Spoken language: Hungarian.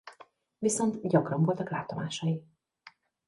Viszont gyakran voltak látomásai.